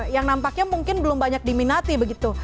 yang nampaknya mungkin belum banyak diminati begitu